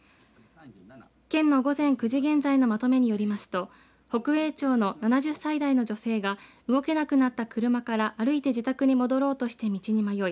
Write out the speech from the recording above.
県の午前９時現在のまとめによりますと北栄町の７０歳代の女性が動けなくなった車から歩いて自宅に戻ろうとして道に迷い